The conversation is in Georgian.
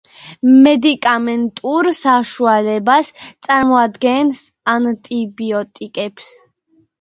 მედიკამენტურ საშუალებას წარმოადგენს ანტიბიოტიკები.